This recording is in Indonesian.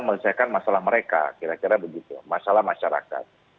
dan mempercepatkan masalah mereka kira kira begitu masalah masyarakat